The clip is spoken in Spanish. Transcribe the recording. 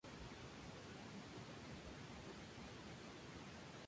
Protección Ambiental.